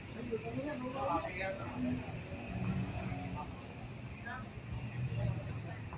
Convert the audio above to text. สวัสดีทุกคนสวัสดีทุกคน